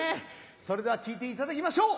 それでは聴いていただきましょう。